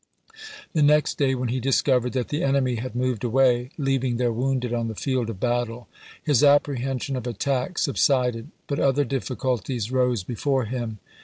The next day, when he discovered that the enemy had moved away, leaving their wounded on the field of battle, his apprehension of attack subsided, but other difficulties rose before him.